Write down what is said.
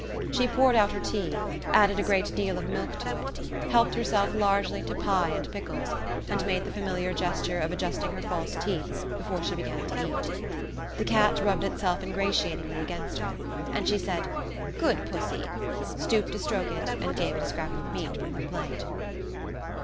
She poured out her tea, added a great deal of milk to it, helped herself largely to pie and pickles, and made the familiar gesture of adjusting her false teeth before she began to eat. The cat rubbed itself ingratiatingly against her, and she said "Good Pussy," stooped to stroke it and gave it a scrap of meat from her plate.